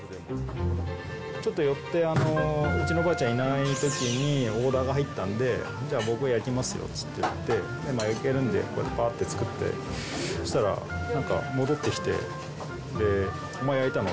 ちょっと寄って、うちのばあちゃんいないときに、オーダーが入ったんで、じゃあ、僕が焼きますよっていって、焼けるんで、こうやってぱーっと作って、そしたら、なんか戻ってきて、お前焼いたの？